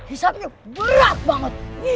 hisatnya berat banget